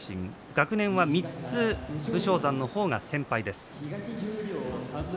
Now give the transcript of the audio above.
学年は３つ武将山の方が先輩です。